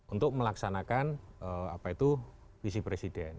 untuk melaksanakan apa itu visi presiden